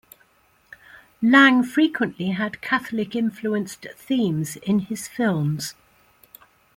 Lang frequently had Catholic-influenced themes in his films.